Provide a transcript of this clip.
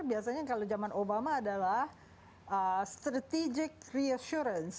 biasanya kalau zaman obama adalah strategic reassurance